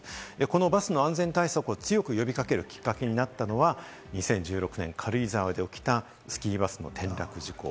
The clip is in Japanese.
バスの安全対策を強く呼び掛けるきっかけになったのは、２０１６年、軽井沢で起きたスキーバスの転落事故。